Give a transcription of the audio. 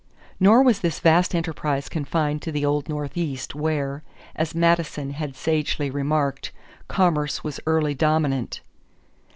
= Nor was this vast enterprise confined to the old Northeast where, as Madison had sagely remarked, commerce was early dominant.